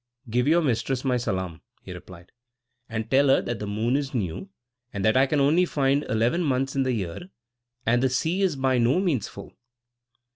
"Give your mistress my salam," he replied, "and tell her that the moon is new, and that I can only find eleven months in the year, and the sea is by no means full."